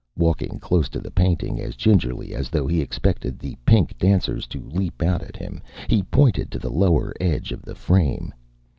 Walking close to the painting, as gingerly as though he expected the pink dancers to leap out at him, he pointed to the lower edge of the frame.